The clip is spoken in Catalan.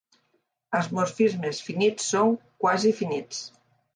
Els morfismes finits són quasi-finits.